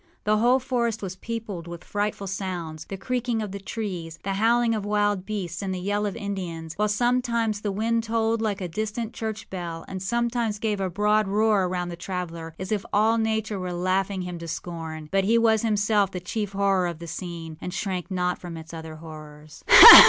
The whole forest was peopled with frightful soundsâthe creaking of the trees, the howling of wild beasts, and the yell of Indians; while sometimes the wind tolled like a distant church bell, and sometimes gave a broad roar around the traveller, as if all Nature were laughing him to scorn. But he was himself the chief horror of the scene, and shrank not from its other horrors.